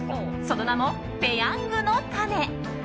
その名もペヤングの種。